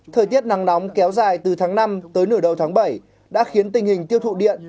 thời tiết nắng nóng kéo dài từ tháng năm tới nửa đầu tháng bảy đã khiến tình hình tiêu thụ điện